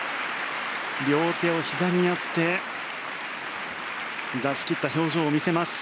両手をひざにやって出し切った表情を見せます。